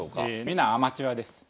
皆アマチュアです。